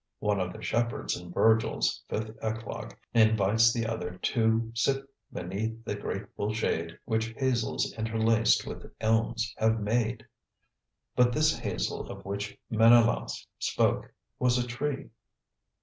One of the shepherds in Vergil's fifth eclogue invites the other to "sit beneath the grateful shade, which hazels interlaced with elms have made;" but this hazel of which Menelaus spoke was a tree.